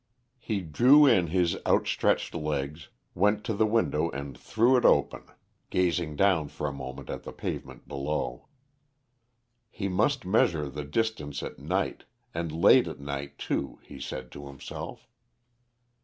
He drew in his outstretched legs, went to the window and threw it open, gazing down for a moment at the pavement below. He must measure the distance at night and late at night too he said to himself.